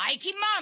ん？